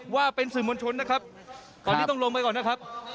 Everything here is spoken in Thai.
ว่าเป็นสื่อมวลชนนะครับตอนนี้ต้องลงไปก่อนนะครับ